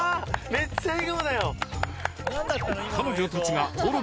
めっちゃ笑顔だよ